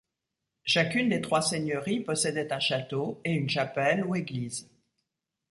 Chacune des trois seigneuries possédait un château et une chapelle ou église.